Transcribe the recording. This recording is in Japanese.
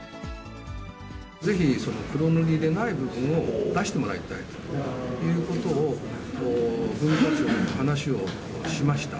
ぜひその黒塗りでない部分を出してもらいたいということを、文化庁に話をしました。